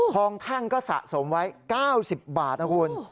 งแท่งก็สะสมไว้๙๐บาทนะคุณ